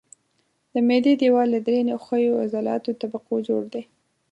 د معدې دېوال له درې ښویو عضلاتي طبقو جوړ دی.